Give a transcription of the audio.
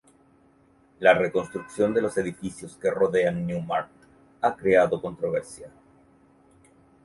La reconstrucción de los edificios que rodean Neumarkt ha creado controversia.